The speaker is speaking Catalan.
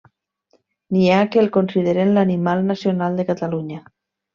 N'hi ha que el consideren l'animal nacional de Catalunya.